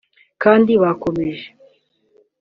kandi bakomeje